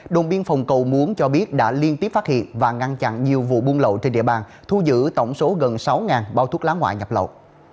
đồng biên phòng cầu muốn cho biết đã liên tiếp phát hiện và ngăn chặn nhiều vụ buôn lậu trên địa bàn thu giữ tổng số gần sáu bao thuốc lá ngoại nhập lậu